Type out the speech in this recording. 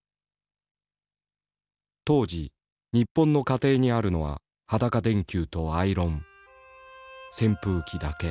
当時日本の家庭にあるのは裸電球とアイロン扇風機だけ。